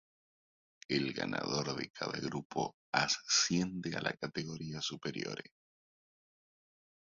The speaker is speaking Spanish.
El ganador de cada grupo asciende a la Kategoria Superiore.